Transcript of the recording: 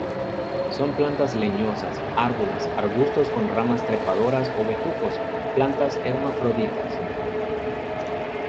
Son plantas leñosas, árboles, arbustos con ramas trepadoras o bejucos; plantas hermafroditas.